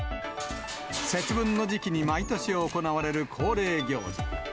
節分の時期に毎年行われる恒例行事。